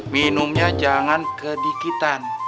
minumnya jangan kedikitan